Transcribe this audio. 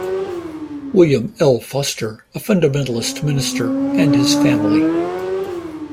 William L. Foster, a fundamentalist minister, and his family.